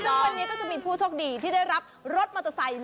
ซึ่งวันนี้ก็จะมีผู้โชคดีที่ได้รับรถมอเตอร์ไซค์